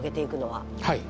はい。